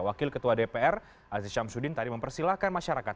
wakil ketua dpr aziz syamsuddin tadi mempersilahkan masyarakat